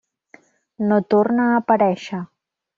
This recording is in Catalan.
No torna a aparèixer.